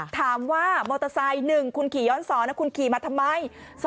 ถามว่ามอเตอร์ไซค์๑คุณขี่ย้อนสอนคุณขี่มาทำไม